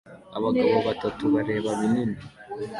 Abagabo batatu bareba binini